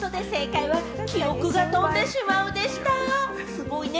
すごいね！